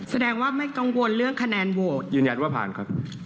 แสดงว่าไม่กังวลเรื่องคะแนนโหวตยืนยันว่าผ่านครับ